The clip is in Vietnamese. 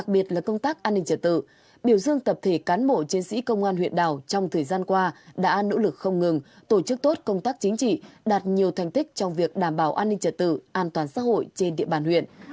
biểu dương tập thể cán bộ chiến sĩ công an huyện đảo trong thời gian qua đã nỗ lực không ngừng tổ chức tốt công tác chính trị đạt nhiều thành tích trong việc đảm bảo an ninh trật tự an toàn xã hội trên địa bàn huyện